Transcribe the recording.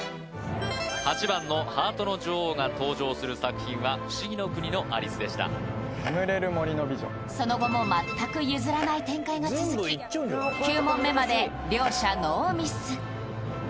８番のハートの女王が登場する作品は「ふしぎの国のアリス」でしたその後も全く譲らない展開が続き９問目まで両者ノーミス